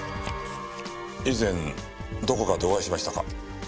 以前どこかでお会いしましたか？